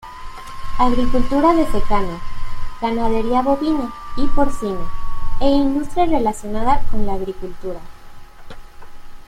Agricultura de secano, ganadería bovina y porcina e industria relacionada con la agricultura.